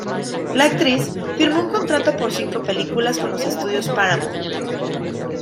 La actriz firmó un contrato por cinco películas con los Estudios Paramount.